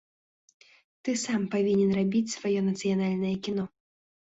Ты сам павінен рабіць сваё нацыянальнае кіно.